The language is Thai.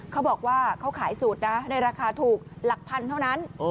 เขาบอกว่าเขาขายสูตรนะในราคาถูกหลักพันเท่านั้น